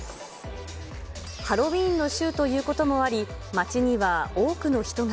ハロウィーンの週ということもあり、街には多くの人が。